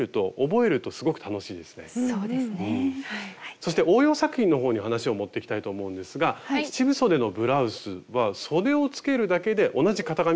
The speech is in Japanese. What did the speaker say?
そして応用作品のほうに話を持っていきたいと思うんですが七分そでのブラウスはそでをつけるだけで同じ型紙からできていると。